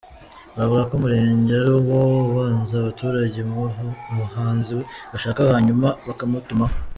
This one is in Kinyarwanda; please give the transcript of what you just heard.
Avuga ko Umurenge ariwo ubaza abaturage umuhanzi bashaka hanyuma bakamutumaho.